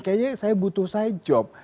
kayaknya saya butuh sadjob